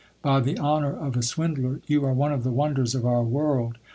By the honour of a swindler, you are one of the wonders of our world.